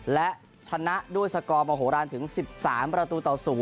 และชนะด้วยสกอร์มโหลานถึง๑๓ประตูต่อ๐